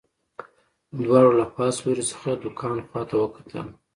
دواړو له پاس لوري څخه د کان خواته وکتل